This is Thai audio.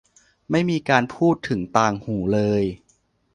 ไม่มีการพูดถึงต่างหูเลย